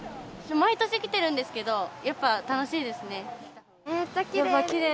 毎年来てるんですけど、やっぱ楽しいですね。